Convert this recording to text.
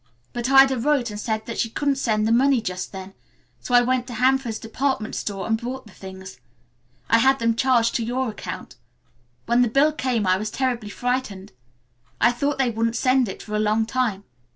But Ida wrote and said she couldn't send the money just then, so I went to Hanford's department store and bought the things. I had them charged to your account. When the bill came I was terribly frightened. I thought they wouldn't send it for a long time.